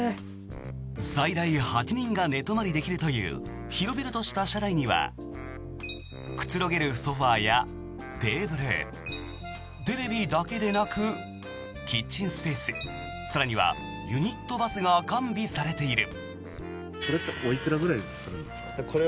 最大８人が寝泊まりできるという広々した車内にはくつろげるソファやテーブルテレビだけでなくキッチンスペース更にはユニットバスが完備されている。